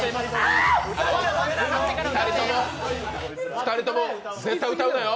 ２人とも、絶対歌うなよ。